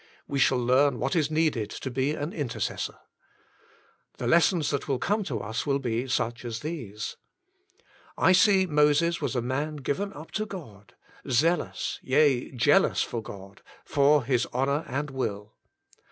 ^Ye shall learn what is needed to be an intercessor. The lessons that will come to us will be such as these :— I see Moses was a man given up to God, zealous, yea, jealous for God, for His honour and will.